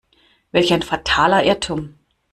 Welch ein fataler Irrtum!